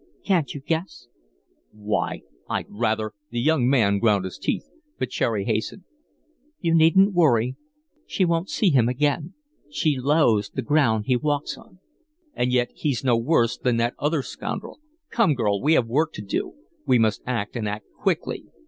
"Can't you guess?" "Why, I'd rather " The young man ground his teeth, but Cherry hastened. "You needn't worry; she won't see him again. She loathes the ground he walks on." "And yet he's no worse than that other scoundrel. Come, girl, we have work to do; we must act, and act quickly."